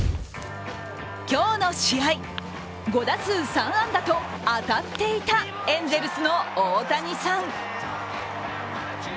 今日の試合、５打数３安打と当たっていたエンゼルスの大谷さん。